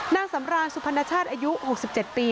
นางสำรานสุพรรณชาติอายุ๖๗ปี